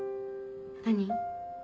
何？